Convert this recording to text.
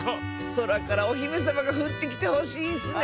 そらからおひめさまがふってきてほしいッスね！